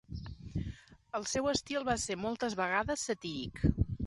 El seu estil va ser moltes vegades satíric.